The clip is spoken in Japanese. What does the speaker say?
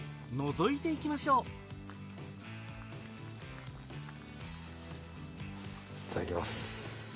覗いていきましょういただきます。